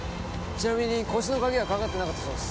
ちなみに個室の鍵はかかってなかったそうです。